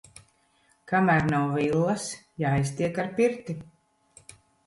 Kamēr nav villas, jāiztiek ar pirti.